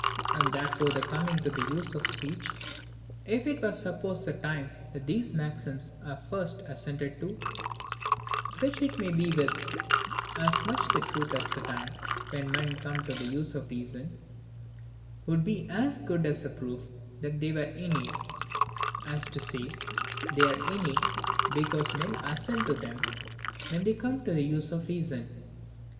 And therefore the coming to the use of speech, if it were supposed the time that these maxims are first assented to, (which it may be with as much truth as the time when men come to the use of reason,) would be as good a proof that they were innate, as to say they are innate because men assent to them when they come to the use of reason.